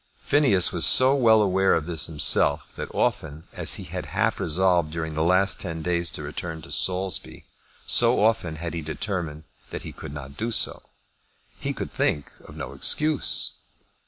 Phineas was so well aware of this himself that often as he had half resolved during the last ten days to return to Saulsby, so often had he determined that he could not do so. He could think of no excuse.